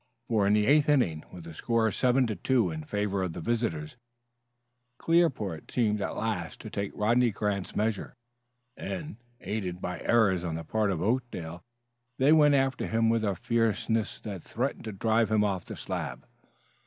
For in the eighth inning, with the score 7 to 2 in favor of the visitors, Clearport seemed at last to take Rodney Grant's measure, and, aided by errors on the part of Oakdale, they went after him with a fierceness that threatened to drive him off the slab.